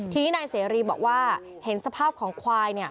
ทีนี้นายเสรีบอกว่าเห็นสภาพของควาย